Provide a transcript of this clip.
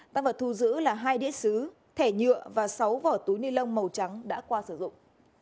tăng vật thu giữ là hai đĩa xứ thẻ nhựa và sáu vỏ túi ni lông màu trắng đã qua sử dụng